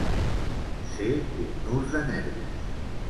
Ser un nus de nervis.